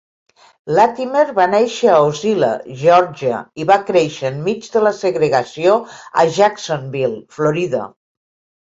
Latimer va néixer a Ocilla, Geòrgia, i va créixer enmig de la segregació a Jacksonville, Florida.